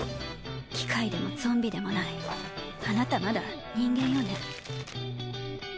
機械でもゾンビでもないあなたまだ人間よね？